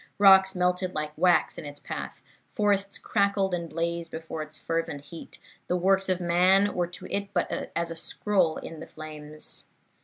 Rocks melted like wax in its path; forests crackled and blazed before its fervent heat; the works of man were to it but as a scroll in the flames.